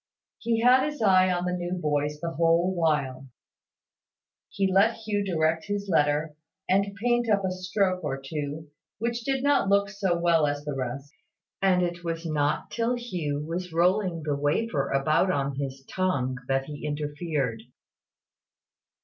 He had his eye on the new boys the whole while. He let Hugh direct his letter, and paint up a stroke or two which did not look so well as the rest; and it was not till Hugh was rolling the wafer about on his tongue that he interfered.